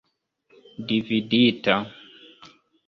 dividita